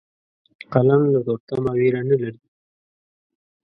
قلم له تورتمه ویره نه لري